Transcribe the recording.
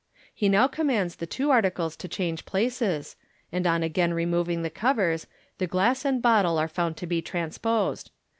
He now commands the two articles to change places, and on again removing the covers the glass and bottle are found to be tran posed.